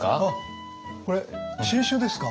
これ新酒ですか？